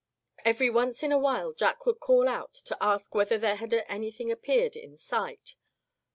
Every once in a while Jack would call out to ask whether there had anything appeared in sight.